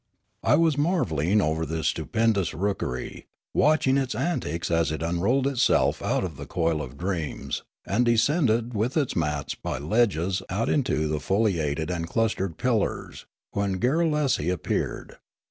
I w^as marvelling over this stupendous rookery, watching its antics as it unrolled itself out of the coil of dreams and descended with its mats by ledges out into the foliated and clustered pillars, when Garrulesi appeared.